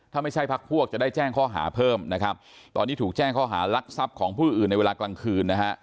ถ้าไม่ใช่พักพวกจะได้แจ้งข้อหาเพิ่มนะครับตอนนี้ถูกแจ้งข้อหารักทรัพย์ของผู้อื่นในเวลากลางคืนนะฮะ